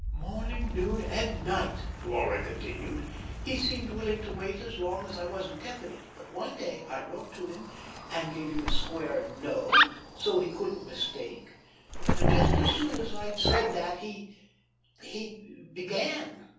"Morning, noon, and night," Laura continued. "He seemed willing to wait as long as I wasn't definite; but one day I wrote to him and gave him a square 'No,' so as he couldn't mistake, and just as soon as I'd said that he he began.